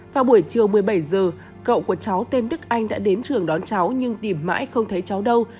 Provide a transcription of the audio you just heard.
vào buổi chiều một mươi bảy giờ cậu của cháu tên đức anh đã đến trường đón cháu nhưng tìm mãi không thấy cháu đâu